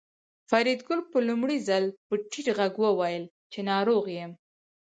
فریدګل په لومړي ځل په ټیټ غږ وویل چې ناروغ یم